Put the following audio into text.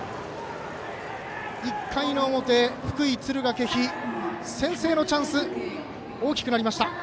１回表、福井、敦賀気比先制のチャンス大きくなりました。